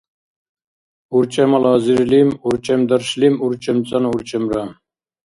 урчӀемал азирлим урчӀемдаршлим урчӀемцӀанну урчӀемра